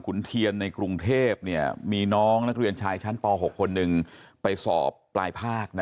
เทียนในกรุงเทพมีน้องนักเรียนชายชั้นป๖คนหนึ่งไปสอบปลายภาค